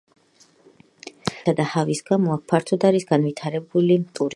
ულამაზესი ლანდშაფტებისა და ჰავის გამო აქ ფართოდ არის განვითარებული ტურიზმი.